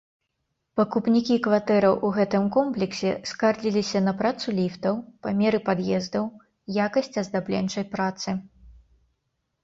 Пакупнікі кватэраў у гэтым комплексе скардзіліся на працу ліфтаў, памеры пад'ездаў, якасць аздабленчай працы.